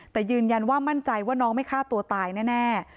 แต่ยืนยันว่ามั่นใจว่าน้องไม่ฆ่าตัวตายแน่